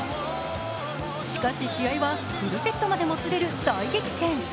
しかし試合はフルセットまでもつれる大激戦。